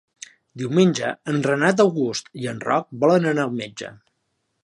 Diumenge en Renat August i en Roc volen anar al metge.